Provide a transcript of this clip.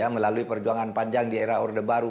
melalui perjuangan panjang di era orde baru